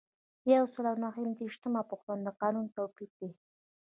یو سل او نهه دیرشمه پوښتنه د قانون توپیر دی.